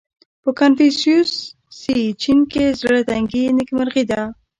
• په کنفوسیوسي چین کې زړهتنګي نېکمرغي وه.